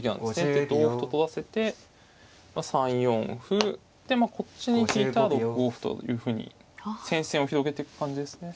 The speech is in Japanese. で同歩と取らせて３四歩。でこっちに引いたら６五歩というふうに戦線を広げてく感じですね。